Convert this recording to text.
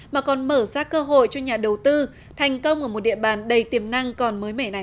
mà còn mở ra cơ hội cho nhà đầu tư thành công ở một địa bàn đầy tiềm năng còn mới mẻ này